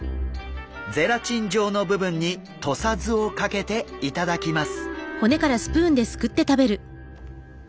ゼラチン状の部分に土佐酢をかけて頂きます。